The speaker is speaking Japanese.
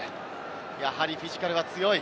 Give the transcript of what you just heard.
やはりフィジカルは強い。